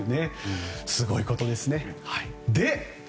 すごいことですね。